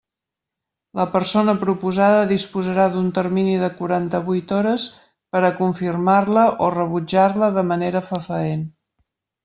La persona proposada disposarà d'un termini de quaranta-vuit hores per a confirmar-la o rebutjar-la de manera fefaent.